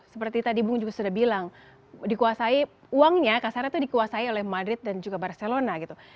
seperti tadi bung juga sudah bilang dikuasai uangnya kasarnya itu dikuasai oleh madrid dan juga barcelona gitu